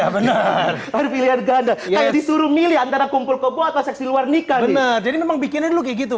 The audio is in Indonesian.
benar pilihan ganda disuruh milih antara kumpul kebo atau seksi luar nikah jadi bikinnya gitu